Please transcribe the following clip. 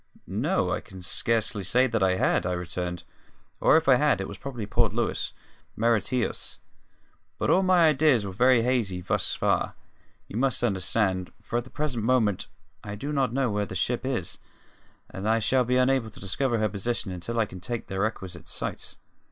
"N o, I can scarcely say that I had," I returned "or if I had, it was probably Port Louis, Mauritius. But all my ideas are very hazy thus far, you must understand, for at the present moment I do not know where the ship is, and I shall be unable to discover her position until I can take the requisite sights.